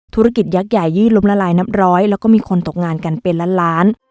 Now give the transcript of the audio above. ยักษ์ใหญ่ยื่นล้มละลายนับร้อยแล้วก็มีคนตกงานกันเป็นล้านล้าน